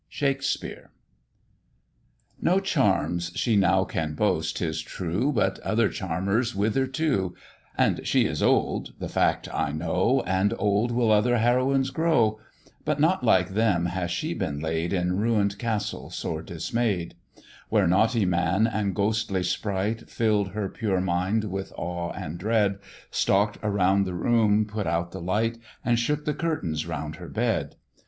SHAKESPEARE. "No charms she now can boast," 'tis true, But other charmers wither too: "And she is old," the fact I know, And old will other heroines grow; But not like them has she been laid, In ruin'd castle sore dismay'd; Where naughty man and ghostly spright Fill'd her pure mind with awe and dread, Stalk'd round the room, put out the light, And shook the curtains round her bed.